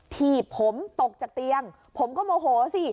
ถีบผมตกจากเตียงผมก็โมโหสิ